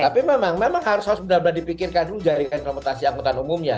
tapi memang memang harus benar benar dipikirkan dulu jaringan transportasi angkutan umumnya